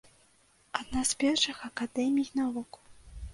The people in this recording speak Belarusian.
Адна з першых акадэмій навук.